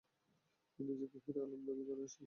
নিজেকে হিরো বলে দাবি করে সে?